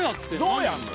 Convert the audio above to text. どうやんの？